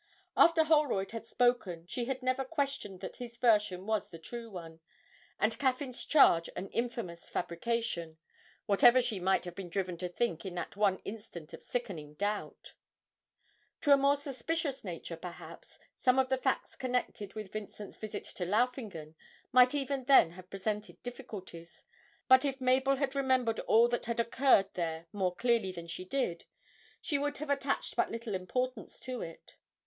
After Holroyd had spoken, she had never questioned that his version was the true one, and Caffyn's charge an infamous fabrication whatever she might have been driven to think in that one instant of sickening doubt. To a more suspicious nature, perhaps, some of the facts connected with Vincent's visit to Laufingen might even then have presented difficulties, but if Mabel had remembered all that had occurred there more clearly than she did, she would have attached but little importance to it.